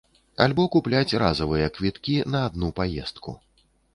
Альбо купляць разавыя квіткі на адну паездку.